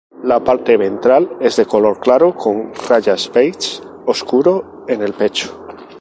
La parte ventral es de color claro con rayas beige oscuro en el pecho.